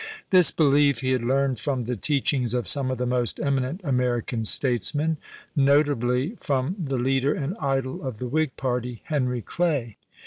This belief he had learned from the teachings of some of the most eminent American statesmen, notably from the leader and idol of the Whig party — Henry Clay.